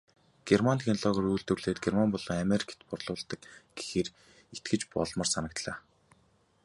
Герман технологиор нь үйлдвэрлээд Герман болон Америкт борлуулдаг гэхээр итгэж болмоор санагдлаа.